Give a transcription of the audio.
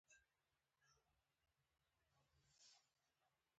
مالیاتی سیستم متمرکز شو.